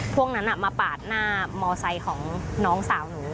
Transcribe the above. พวกนั้นมาปาดหน้ามอไซค์ของน้องสาวหนู